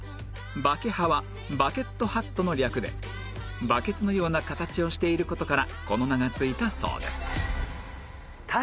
バケハはバケットハットの略でバケツのような形をしている事からこの名が付いたそうです